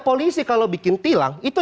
polisi kalau bikin tilang itu